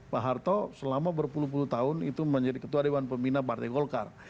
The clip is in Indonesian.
pak harto selama berpuluh puluh tahun itu menjadi ketua dewan pembina partai golkar